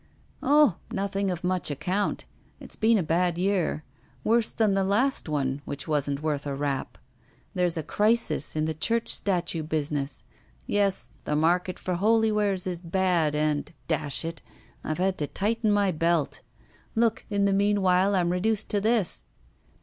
'Oh! nothing of much account. It's been a bad year worse than the last one, which wasn't worth a rap. There's a crisis in the church statue business. Yes, the market for holy wares is bad, and, dash it, I've had to tighten my belt! Look, in the meanwhile, I'm reduced to this.